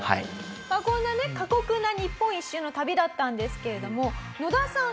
こんなね過酷な日本一周の旅だったんですけれどもノダさん